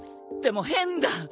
でも変だ。